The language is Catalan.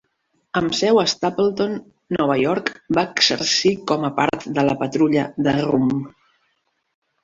Amb seu a Stapleton, Nova York, va exercir com a part de la Patrulla de Rum.